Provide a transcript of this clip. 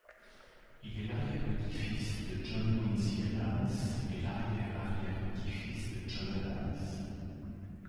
Il est l'arrière-petit-fils de John Quincy Adams et l'arrière-arrière-petit-fils de John Adams.